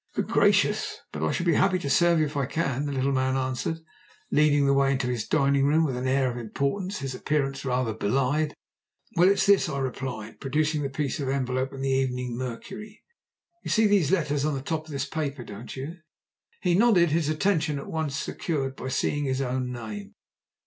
"Good gracious! But I shall be happy to serve you if I can," the little man answered, leading the way into his dining room with an air of importance his appearance rather belied. "What is it?" "Well, it's this," I replied, producing the piece of envelope and the Evening Mercury. "You see these letters on the top of this paper, don't you?" He nodded, his attention at once secured by seeing his own name.